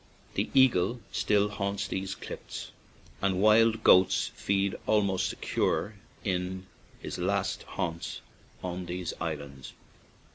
" The eagle still haunts these cliffs, and the wild goat feeds almost secure in his last haunts on these isl ands.